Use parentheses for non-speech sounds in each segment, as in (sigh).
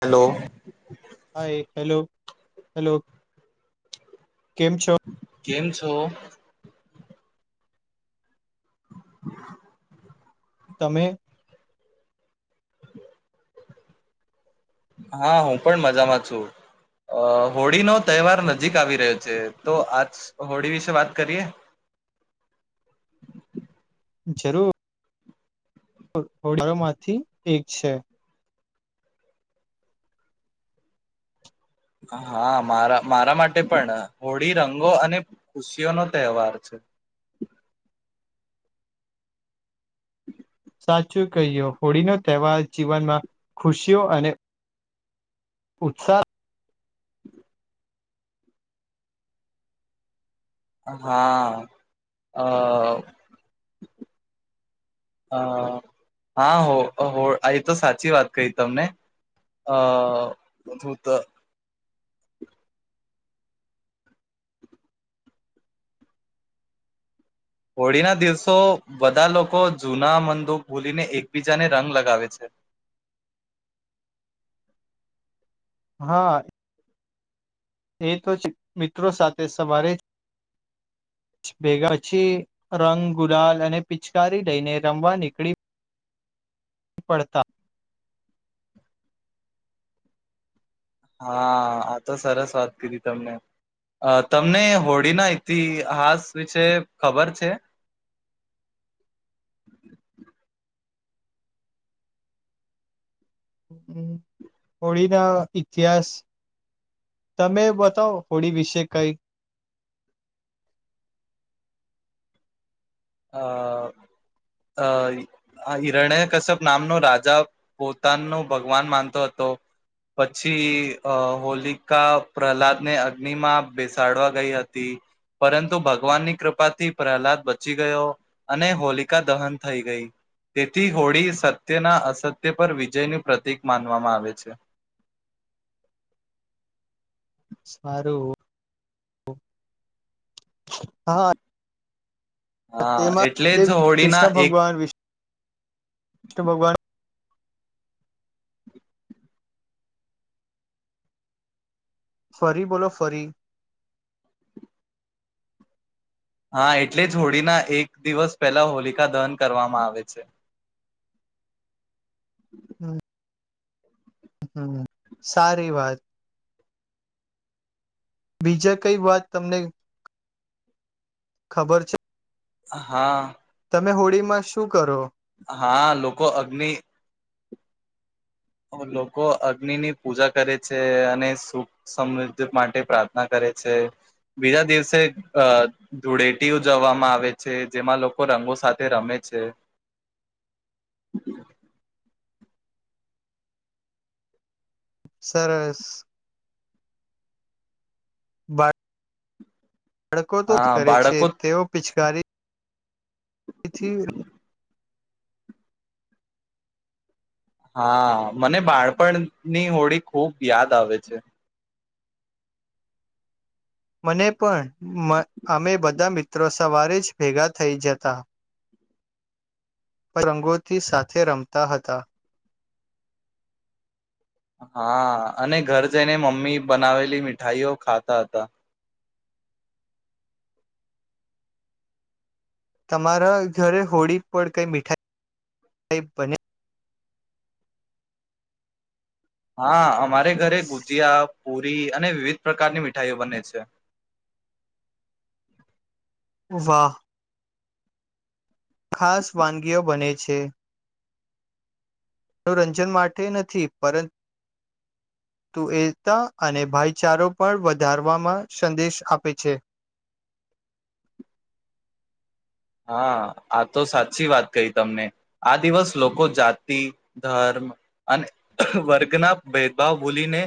Hello. Hi hello hello કેમ છો? કેમ છો? તમે હા હું પણ મજામાં છું અ હોળીનોો તહેવાર નજીક આવી રહ્યો છે તો આજ હોળી વિશે વાત કરીએ જરૂર હોડાળોમાંથી એક છે હા મારા મારા માટે પણ હોળી રંગો અને ખુશીઓ નો તહેવાર છે સાચું કહ્યો હોળીનો તહેવાર જીવનમાં ખુશીઓ અને ઉુત્છહ હા અ હા હો આ તો સાચી વાત કહી તમને અ હું તો હોળીના દિવસો બધા લોકો જૂના મંદૂક ભૂલીને એકબીજાને રંગ લગાવે છે હા એ તો મિત્રો સાથે સવારે ભેગા પછી રંગ ગુલાલ અને પિચકારી લઈને રમવા નીકળી પડતા હા આ તો સરસ વાત કીધી તમને તમને હોળીના ઈતિહાસ વિશે ખબર છે હમ હોળી ના ઇતિહાસ તમે બતાવો હોળી વિશે કઈ અ અ હિરણ્ય કશ્યપ નામનો રાજા પોતાનો ભગવાન માનતો હતો પછી અ હોલિકા પ્રહલાદને અગ્નિમાં બેસાડવા ગઈ હતી પરંતુ ભગવાનની કૃપાથી પ્રહલાદ ચી ગયો અને હોલિકા દહન થઈ ગઈ તેથી હોળી સત્યના અસત્ય પર વિજયનું પ્રતીિક માનવામાં આવે છે સારું હા હા એટલે જ હોળીના એક વિૃષ્ણુ ભગવાન ફરી બોલો ફરી હા એટલે જ હોળીના એક દિવસ પહેલા હોલિકા દહન કરવામાં આવે છે (inaudible) હમ સારી વાત બીજા કઈ વાત તમને ખબર છે હા તમે હોળી માં શું કરો હા લોકો અગ્નિ લોકો અગ્નિની પૂજા કરે છે અને સુખ સમૃદ્ધિ માટે પ્રાર્થના કરે છે બીજા દિવસે અ ધૂળેટી ઉજવવામાં આવે છે જેમાં લોકો રંગો સાથે રમે છે સરસ બાય હડકો તો જ હા કરે છે બાળકો તેઓ પીછ કરીારે પછી હા મને બાળપણની હોડી ખૂબ યાદ આવે છે મને પણ અમે બધા મિત્રો સવારે જ ભેગા થઈ જતા પરંગોથી સાથે રમતા હતા હા અને ઘર જઈને મમ્મી બનાવેલી મીઠાઈઓ ખાતા હતા તમારા ઘરે હોળી પણ કઈ મીઠાઈાઈ બને હા અમારે ઘરે ઘરે ગુજી આપ પુરી અને વિવિધ પ્રકારની મીઠાઈઓ બને છે વાહ ખાસ વાનગીઓ બને છે મનોરંજન માટે નથી પર તું એતા અને ભાઈચારો પણ વધારવામાં સંદેશ આપે છે હા આ તો સાચી વાત કહી તમને આ દિવસ લોકો જાતિ ધર્મ અને વર્ગના ભેદભાવ ભૂલીને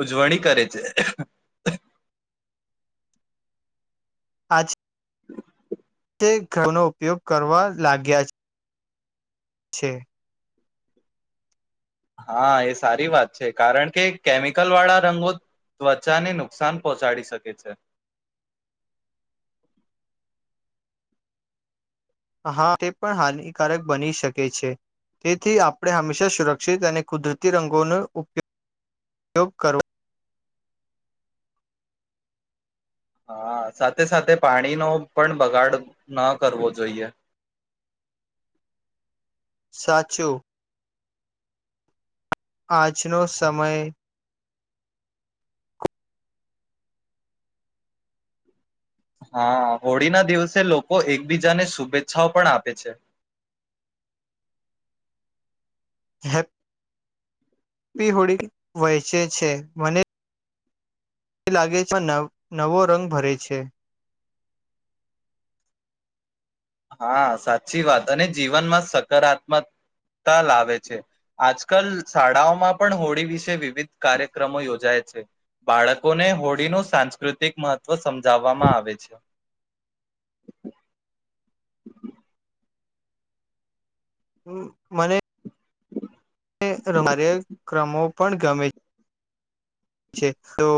ઉજવણી કરે છે આજ (inaudible) તે ઘઉનો ઉપયોગ કરવા લાગ્યા છે છે. હા એ સારી વાત છે કારણ કે કેમિકલ વાળા રંગો ત્વચાને નુકસાન પહોંચાડી શકે છે. હા તે પણ હાનિકારક બની શકે છે, તેથી આપણે હંમેશા સુરક્ષિત અને કુદરતી રંગોનો ઉપયોગ કરવો. હા સાથે સાથે પાણીનો પણ બગાડ ન કરવો જોઈએ. સાચૂ. આજનો સમય હા હોળીના દિવસે લોકો એકબીજાને શુભેચ્છાઓ પણ આપે છે. હેપી હોળી હોડી વહેંચે છે મને એ લાગે છે આ નવો રંગ ભરે છે. હા સાચી વાત અને જીવનમાં સકારાત્મકતા લાવે છે, આજકાલ શાળાઓમાં પણ હોળી વિશે વિવિધ કાર્યક્રમો યોજાય છે, બાળકોને હોળીનું સાંસ્કૃતિક મહત્ત્વ સમજાવવામાં આવે છે. (inaudible) મને કાર્યક્રમો પણ ગમે છે, છે તો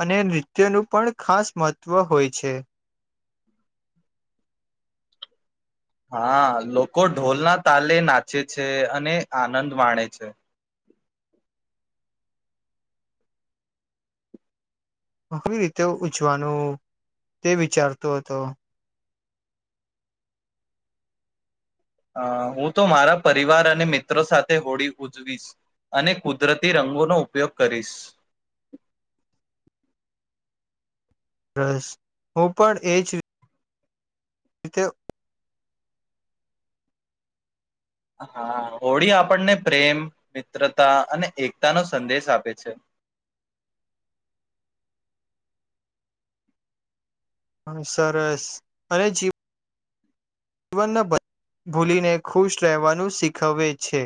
અને નૃત્યનું પણ ખાસ મહત્વ હોય છે. હા લોકો ઢોલના તાલે નાચે છે અને આનંદ માણે છે. કેવી રીતે ઉજવાનું તે વિચારતો હતો. અ હું તો મારા પરિવાર અને મિત્રો સાથે હોળી ઉજવીશ, અને કુદરતી રંગોનો ઉપયોગ કરીશ. બસ હું પણ એ જ રીતે હા હોળી આપણને પ્રેમ, મિત્રતા અને એકતા નો સંદેશ આપે છે. હમ સરસ, અને જીવ જીવનના બ ભૂલીને ખુશ રહેવાનું શીખવે છે.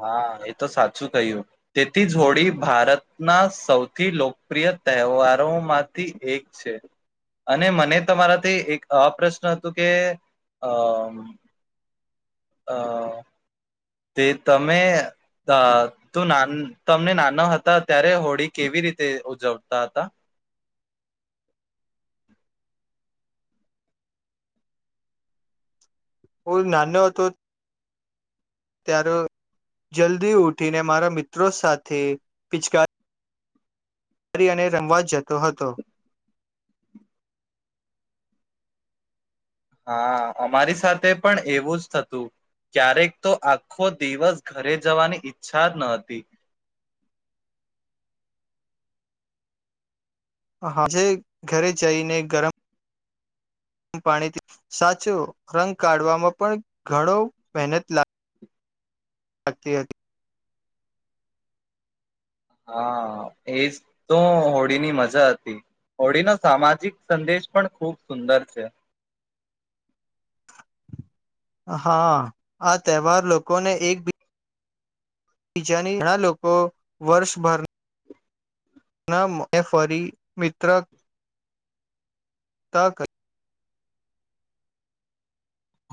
હા એ તો સાચું કહ્યું, તેથી જોડી ભારતના સૌથી લોકપ્રિય તહેવારોમાંથી એક છે, અને મને તમારાથી એક અપ્રશ્ન હતોું કે, અમ અ તે તમે તું ના તમને નાના હતા ત્યારે હોળી કેવી રીતે ઉજવતા હતા? બ નાનો હતો ત્યારે, જલ્દી ઉઠીને મારા મિત્રો સાથે પિચકાર કરી અને રમવા જતો હતો. હા અમારી સાથે પણ એવું જ થતું, ક્યારેક તો આખો દિવસ ઘરે જવાની ઈચ્છા જ ન હતી. હજે ઘરે જઈને ગરમ પાણી સાચો રંગ કાઢવામાં પણ ઘણો મહેનત લાગ. તી હતી. હા એજ તો હોળીની મજા હતી, હોળીનો સામાજિક સંદેશ પણ ખુબ સુંદર છે. હા, આ તહેવાર લોકોને એક બી બીજાની ઘણા લોકો વર્ષભર ન ફરી મિત્ર તાક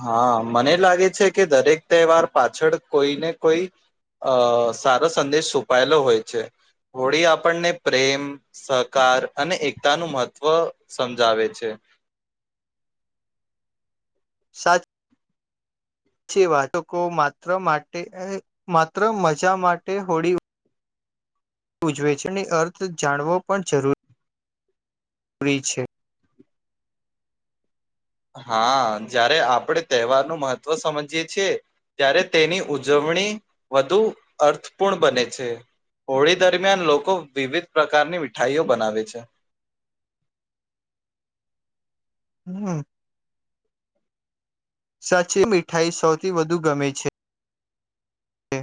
હા મને લાગે છે કે દરેક તહેવાર પાછળ કોઈ ને કોઈ અ સારો સંદેશ છુપાયેલો હોય છે, હોળી આપણને પ્રેમ, સહકાર અને એકતાનું મહત્ત્વ સમજાવે છે. સાચ વાત, લોકો જે વાતકો માત્ર માટે માત્ર મજા માટે હોળી ઉજવે છેણી અર્થ જાણવો પણ જરૂરી પરી છે. હા જ્યારે આપણે તહેવારનું મહત્વ સમજીએ છીએ, ત્યારે તેની ઉજવણી વધુ અર્થપૂર્ણ બને છે, હોળી દરમિયાન લોકો વિવિધ પ્રકારની મીઠાઈઓ બનાવે છે. હમ. સાચી મીઠાઈ સૌથી વધુ ગમે છે. કે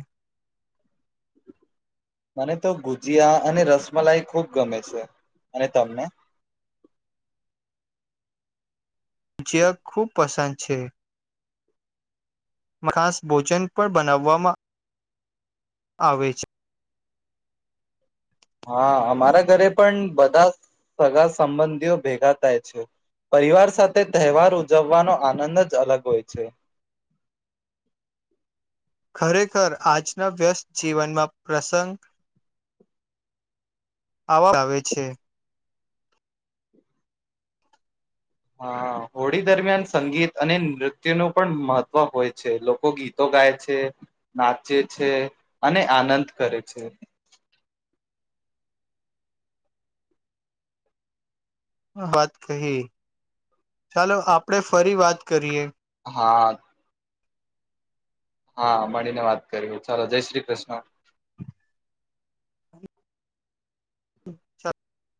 મને તો ગુજીિયા અને રસમલાઈ ખુબ ગમે છે, અને તમને? જ્યા ખૂબ પસંદ છે. ખાસ ભોજન પણ બનાવવામાં આવે છે. હા અમારા ઘરે પણ બધા સગા સંબંધીઓ ભેગા થાય છે, પરિવાર સાથે તહેવાર ઉજવવાનો આનંદ જ અલગ હોય છે. ખરેખર આજના વ્યસ્ત જીવનમાં પ્રસંગ અવાજ આવે છે. હા હોળી દરમિયાન સંગીત અને નૃત્યનું પણ મહત્વ હોય છે લોકો ગીતો ગાય છે, નાચે છે, અને આનંદ કરે છે. વાત કહી ચાલો આપડે ફરી વાત કરીએ હા હા મળીને વાત કરવી ચાલો જય શ્રી કૃષ્ણ (inaudible)